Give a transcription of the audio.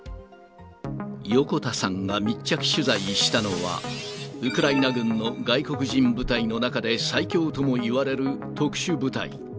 横田さんが密着取材したのは、ウクライナ軍の外国人部隊の中で最強ともいわれる特殊部隊。